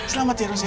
selamat ya ros ya